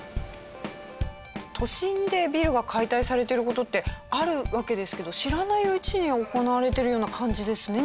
都心でビルが解体されてる事ってあるわけですけど知らないうちに行われてるような感じですね